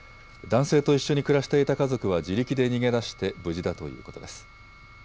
男性と一緒に暮らしていた家族は自力で逃げ出して無事だということです。